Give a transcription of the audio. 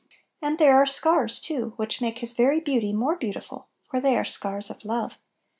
And there are scars too, which make His very beauty more beautiful, for they are scars of love.